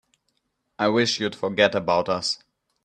I wish you'd forget about us.